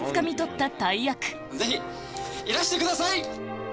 ぜひいらしてください！